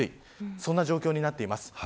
そんな状況になっています。